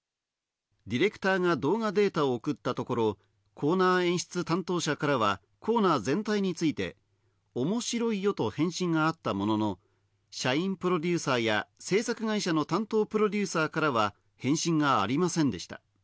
ディレクターが動画データを送ったところ、コーナー演出担当者からはコーナー全体について、おもしろいよと返信があったものの、社員プロデューサーや制作会社の担当プロデューサーからは返信がありませんでした。